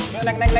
tidak ada apa apa